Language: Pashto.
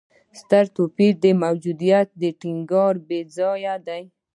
ستر توپیر موجودیت ټینګار بېځایه دی.